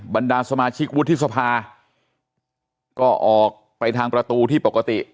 บรรดาสมาชิกวุฒิสภาก็ออกไปทางประตูที่ปกติ